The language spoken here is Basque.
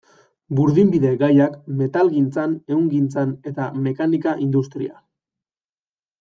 Burdinbide-gaiak, metalgintza, ehungintza eta mekanika-industria.